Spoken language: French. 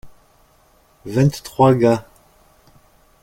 Vingt-trois gars.